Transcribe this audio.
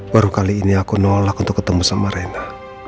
baru kali ini aku nolak untuk ketemu sama rena